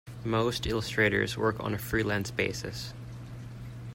Most illustrators work on a freelance basis.